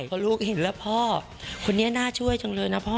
พอลูกเห็นแล้วพ่อคนนี้น่าช่วยจังเลยนะพ่อ